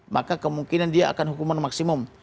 maka kemungkinan dia akan hukuman maksimum